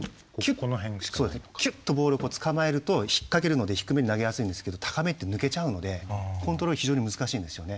キュッとボールをつかまえると引っ掛けるので低めに投げやすいんですけど高めって抜けちゃうのでコントロール非常に難しいんですよね。